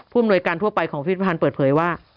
อำนวยการทั่วไปของพิพิธภัณฑ์เปิดเผยว่า